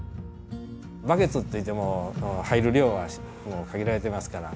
バケツっていっても入る量は限られてますから。